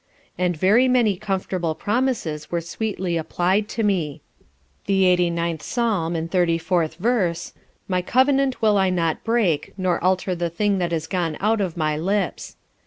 "_ And very many comfortable promises were sweetly applied to me. The lxxxix. Psalm and 34th verse, _"My covenant will I not break nor alter the thing that is gone out of my lips."